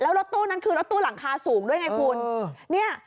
แล้วรถตู้นั้นคือรถตู้หลังคาสูงด้วยไงคุณ